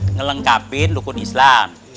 ngelengkapin dukun islam